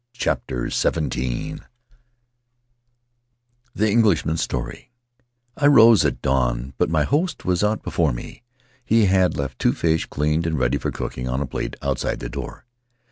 CHAPTER XVH The Englishman's Story ROSE at dawn, but my host was out before me. He had left two fish cleaned and ready for cooking on a plate outside the door.